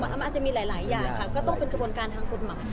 มันอาจจะมีหลายอย่างค่ะก็ต้องเป็นกระบวนการทางกฎหมาย